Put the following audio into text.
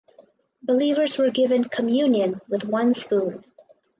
Believers were given Communion with one spoon.